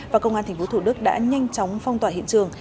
và công an thành phố thủ đức đã nhanh chóng phong tỏa hiện trường